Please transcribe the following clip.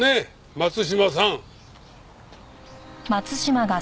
松島さん！